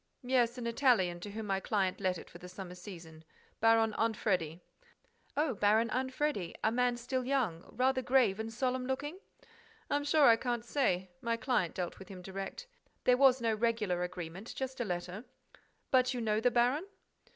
"Yes, an Italian, to whom my client let it for the summer season: Baron Anfredi." "Oh, Baron Anfredi! A man still young, rather grave and solemn looking—?" "I'm sure I can't say.—My client dealt with him direct. There was no regular agreement, just a letter—" "But you know the baron?"